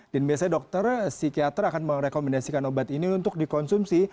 dan biasanya dokter psikiater akan merekomendasikan obat ini untuk dikonsumsi